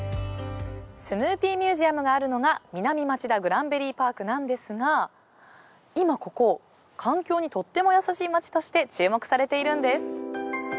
スヌーピーミュージアムがあるのが南町田グランベリーパークなんですが今ここ環境にとっても優しい街として注目されているんです。